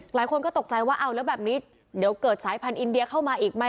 หลายคนก็ตกใจว่าเอาแล้วแบบนี้เดี๋ยวเกิดสายพันธุอินเดียเข้ามาอีกไหม